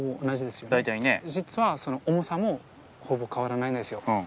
実はその重さもほぼ変わらないんですよ。